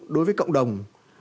đối với cộng đồng